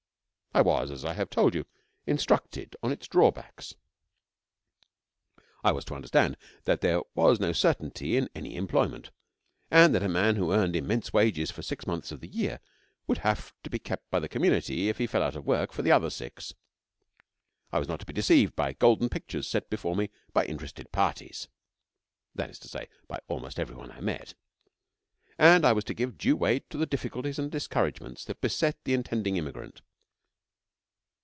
I was, as I have told you, instructed on its, drawbacks. I was to understand that there was no certainty in any employment; and that a man who earned immense wages for six months of the year would have to be kept by the community if he fell out of work for the other six. I was not to be deceived by golden pictures set before me by interested parties (that is to say, by almost every one I met), and I was to give due weight to the difficulties and discouragements that beset the intending immigrant.